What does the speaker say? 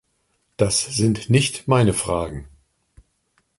Das sind nicht meine Fragen.